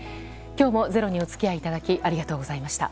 今日も「ｚｅｒｏ」にお付き合いいただきありがとうございました。